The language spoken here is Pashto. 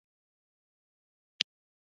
نندارچيانو، منفي خبرې یې مورال خراب کړ.